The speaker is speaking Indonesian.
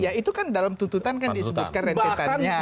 ya itu kan dalam tututan kan disebutkan rentetannya